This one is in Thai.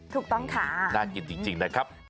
ถูกต้องค่ะน่ากินจริงนะครับ